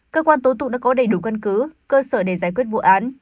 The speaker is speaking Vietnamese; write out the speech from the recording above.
cơ quan tố tụng đã có đầy đủ căn cứ cơ sở để giải quyết vụ án